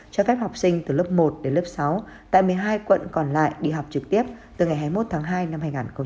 cho phép học sinh từ lớp một đến lớp sáu tại một mươi hai quận còn lại đi học trực tiếp từ ngày hai mươi một tháng hai năm hai nghìn hai mươi